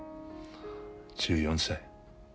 １４歳。